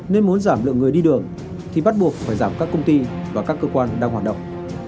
nên muốn giảm lượng người đi đường thì bắt buộc phải giảm các công ty và các cơ quan đang hoạt động